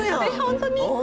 本当に？